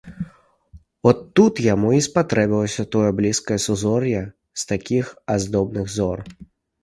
От тут яму й спатрэбілася тое блізкае сузор'е з такіх аздобных зор.